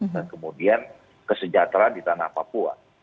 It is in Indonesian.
dan kemudian kesejahteraan di tanah papua